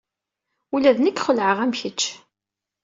Ula d nekk xelɛeɣ am kečč.